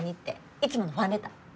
いつものファンレター。